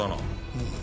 うん。